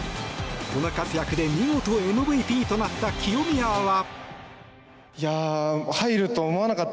この活躍で見事、ＭＶＰとなった清宮は。